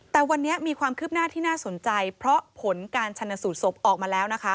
แต่วันนี้มีความคืบหน้าที่น่าสนใจเพราะผลการชนสูตรศพออกมาแล้วนะคะ